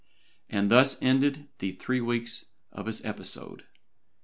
And thus ended the three weeks of his episode.